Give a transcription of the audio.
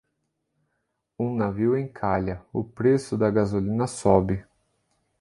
Um navio encalha, o preço da gasolina sobe